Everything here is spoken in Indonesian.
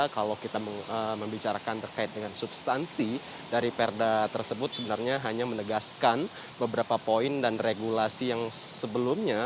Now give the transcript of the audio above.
kalau kita membicarakan terkait dengan substansi dari perda tersebut sebenarnya hanya menegaskan beberapa poin dan regulasi yang sebelumnya